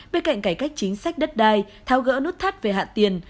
bên cạnh cải cách chính sách đất đai tháo gỡ nút thắt về hạ tiền